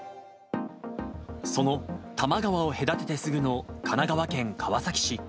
その多摩川を隔ててすぐの神奈川県川崎市。